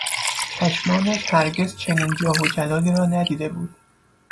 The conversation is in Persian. چشمانش هرگز چنین جاه و جلالی را ندیده بود.